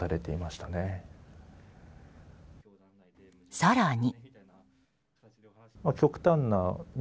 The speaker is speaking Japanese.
更に。